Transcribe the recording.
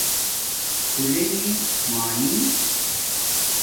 پُھولنݣ مانی